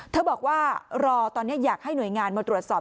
บอกว่ารอตอนนี้อยากให้หน่วยงานมาตรวจสอบ